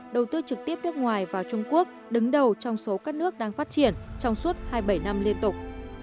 đầu tư trực tiếp nước ngoài vào trung quốc đứng đầu trong số các nước đang phát triển trong suốt hai mươi bảy năm liên tục